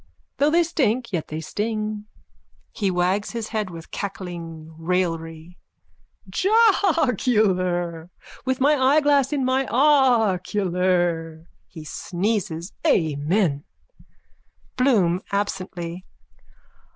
Though they stink yet they sting. (He wags his head with cackling raillery.) Jocular. With my eyeglass in my ocular. (He sneezes.) Amen! BLOOM: _(Absently.)